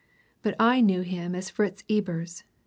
But I knew him as Fritz Ebers.